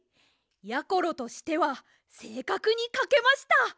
やころとしてはせいかくにかけました。